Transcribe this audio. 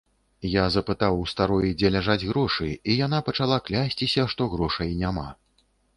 Я запытаў у старой, дзе ляжаць грошы, і яна пачала клясціся, што грошай няма.